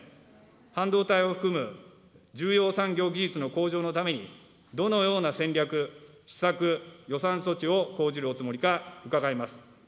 半導体を含む重要産業技術の向上のためにどのような戦略、施策、予算措置を講じるおつもりか、伺います。